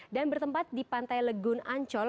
bertempat di pantai legun ancol